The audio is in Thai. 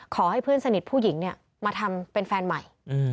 ขอให้เพื่อนสนิทผู้หญิงมาทำเป็นแฟนใหม่